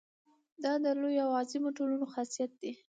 دا د لویو او عظیمو ټولنو خاصیت دی.